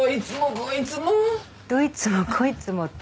「どいつもこいつも」ですか？